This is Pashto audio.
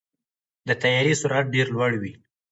د طیارې سرعت ډېر لوړ وي.